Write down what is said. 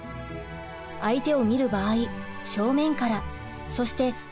相手を見る場合正面からそして近くから見る。